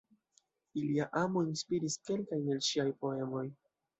Ilia amo inspiris kelkajn el ŝiaj poemoj.